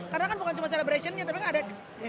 karena kan bukan cuma celebration nya tapi kan ada